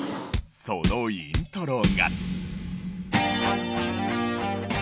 そのイントロが。